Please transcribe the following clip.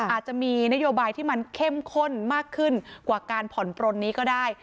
อาจจะมีนโยบายที่มันเข้มข้นมากขึ้นกว่าการผ่อนปลนนี้ก็ได้